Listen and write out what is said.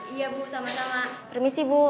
iya bu sama sama permisi bu